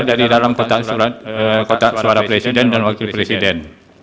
dari dalam kotak surat kotak suara presiden dan wakil presiden